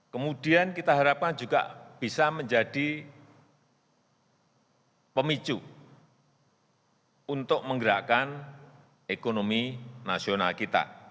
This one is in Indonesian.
kemudian kita harapkan juga bisa menjadi pemicu untuk menggerakkan ekonomi nasional kita